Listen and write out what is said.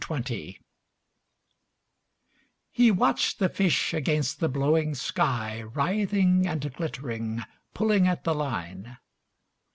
XI He watched the fish against the blowing sky, Writhing and glittering, pulling at the line.